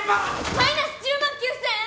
マイナス１０万９，０００円！